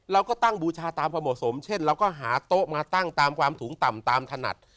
เราก็ตั้งบูชาตามความเหมาะสมเช่นเราก็หาโต๊ะมาตั้งตามความสูงต่ำตามถนัด